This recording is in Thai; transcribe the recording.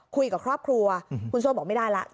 คุยกับครอบครัวคุณโซ่บอกไม่ได้แล้ว